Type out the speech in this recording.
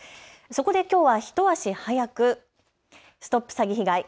そこできょうは一足早くＳＴＯＰ詐欺被害！